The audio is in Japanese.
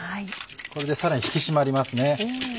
これでさらに引き締まりますね。